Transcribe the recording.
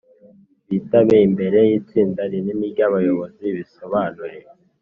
bitabe imbere y itsinda rinini ry abayobozi bisobanure